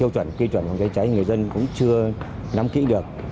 cái kiêu chuẩn cái cháy người dân cũng chưa nắm kỹ được